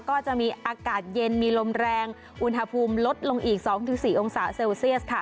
ก็จะมีอากาศเย็นมีลมแรงอุณหภูมิลดลงอีก๒๔องศาเซลเซียสค่ะ